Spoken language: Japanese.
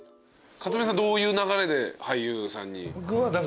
克実さんどういう流れで俳優さんに？